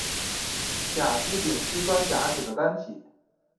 甲基丙烯酸甲酯的单体。